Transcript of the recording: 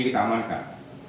ini kita amankan